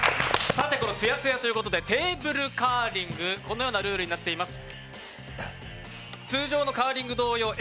さて、ツヤツヤということでテーブルカーリング、このようなルールになっています。